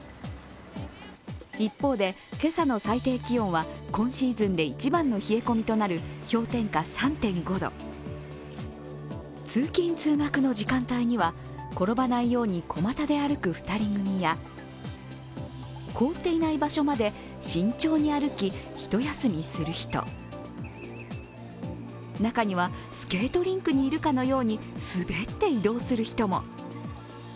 一方で、今朝の最低気温は今シーズンで一番の冷え込みとなる氷点下３．５度通勤・通学の時間帯には転ばないように小股で歩く２人組や凍っていない場所まで慎重に歩きひと休みする人、中にはスケートリンクにいるかのように滑って移動する人も。